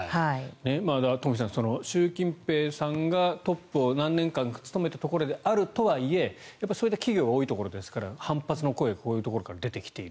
だからトンフィさん習近平さんがトップを何年間か務めたところであるとはいえそれで企業が多いところですから反発の声がこういうところから出てきている。